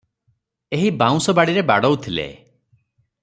ଏହି ବାଉଁଶବାଡ଼ିରେ ବାଡ଼ଉଥିଲେ ।